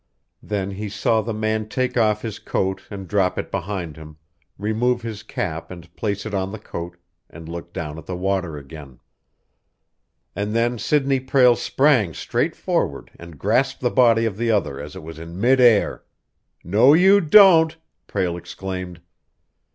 Then he saw the man take off his coat and drop it behind him, remove his cap and place it on the coat, and look down at the water again. And then Sidney Prale sprang straight forward, and grasped the body of the other as it was in mid air. "No, you don't!" Prale exclaimed.